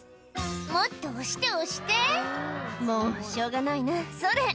「もっと押して押して！」「もうしょうがないなそれ！」